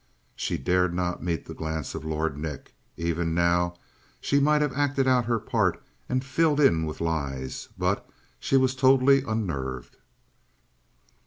She dared not meet the glance of Lord Nick. Even now she might have acted out her part and filled in with lies, but she was totally unnerved.